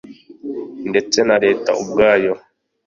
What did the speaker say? ndetse na Leta ubwayo